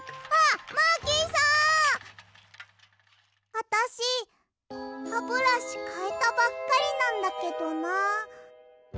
あたしハブラシかえたばっかりなんだけどな。